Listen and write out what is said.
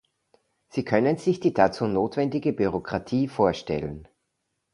Sie können sich die dazu notwendige Bürokratie vorstellen.